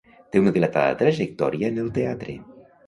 Té una dilatada trajectòria en el teatre.